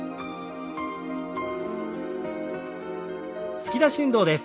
突き出し運動です。